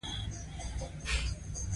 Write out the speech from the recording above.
لوستې میندې د ماشوم پر روغتیا ویاړي.